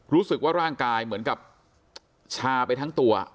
รู้สึกว่าร่างกายเหมือนกับชาไปทั้งตัว